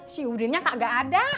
si udinnya kagak ada